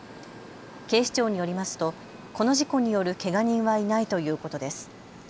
警視庁によりますとこの事故によるけが人はいないということです。